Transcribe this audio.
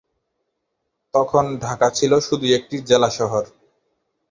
তখন ঢাকা ছিল শুধুই একটি জেলা শহর।